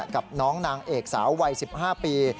กับน้องนางเอกสาววัย๑๕ปี